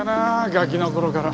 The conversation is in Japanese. ガキの頃から。